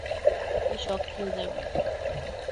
তুই শক খেয়ে যাবি।